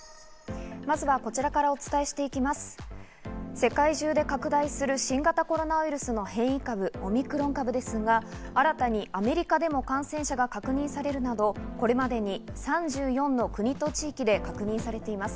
世界中で拡大する新型コロナウイルスの変異株、オミクロン株ですが、新たにアメリカでも感染者が確認されるなど、これまでに３４の国と地域で確認されています。